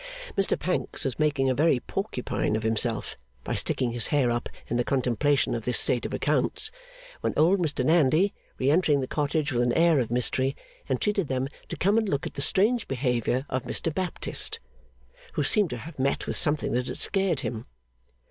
Mr Pancks was making a very porcupine of himself by sticking his hair up in the contemplation of this state of accounts, when old Mr Nandy, re entering the cottage with an air of mystery, entreated them to come and look at the strange behaviour of Mr Baptist, who seemed to have met with something that had scared him.